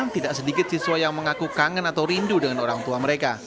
tidak sedikit siswa yang mengaku kangen atau rindu dengan orang tua mereka